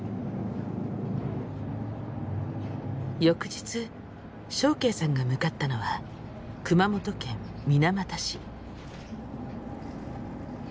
翌日祥敬さんが向かったのは熊本県水俣市。